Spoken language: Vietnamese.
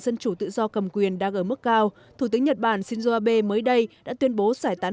dân chủ tự do cầm quyền đang ở mức cao thủ tướng nhật bản shinzo abe mới đây đã tuyên bố giải tán